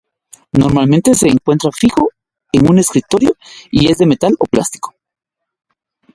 Normalmente se encuentra fijo en un escritorio y es de metal o plástico.